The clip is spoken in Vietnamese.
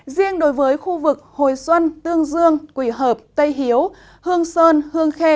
riêng đối với khu vực hồi xuân tương dương quỳ hợp tây hiếu hương sơn hương khê